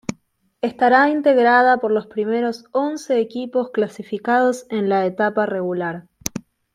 Estará integrada por los primeros once equipos clasificados en la etapa regular.